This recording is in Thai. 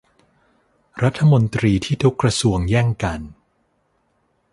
รัฐมนตรีที่ทุกกระทรวงแย่งกัน